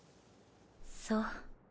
そう。